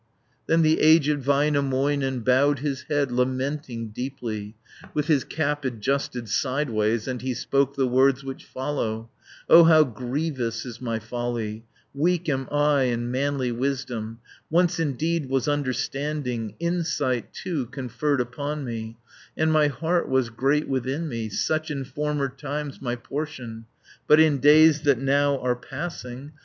Then the aged Väinämöinen, Bowed his head, lamenting deeply, With his cap adjusted sideways, And he spoke the words which follow: "O how grievous is my folly, Weak am I in manly wisdom, Once indeed was understanding, 170 Insight too conferred upon me, And my heart was great within me; Such in former times my portion. But in days that now are passing.